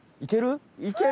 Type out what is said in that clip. いける？